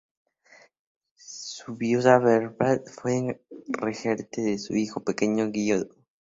Su viuda Berta fue regente de su hijo pequeño Guido.